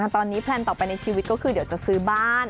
ตอนนี้แพลนต่อไปในชีวิตก็คือเดี๋ยวจะซื้อบ้าน